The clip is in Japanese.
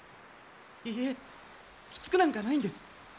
いいえきつくなんかないんです。